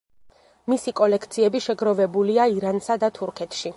მისი კოლექციები შეგროვებულია ირანსა და თურქეთში.